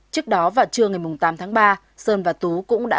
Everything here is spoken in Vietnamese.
trước đó vào trưa ngày tám tháng ba sơn và tú cũng đã